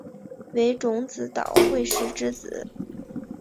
为种子岛惠时之子。